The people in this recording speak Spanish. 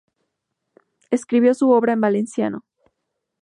Escribió su obra en Valenciano